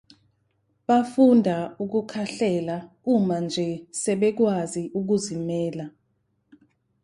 Bafunda ukukhahlela uma nje sebekwazi ukuzimela.